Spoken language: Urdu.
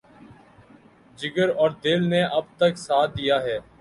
جگر اور دل نے اب تک ساتھ دیا ہے۔